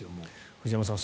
藤山さん